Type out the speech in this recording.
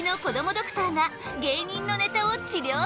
ドクターが芸人のネタを治りょうする！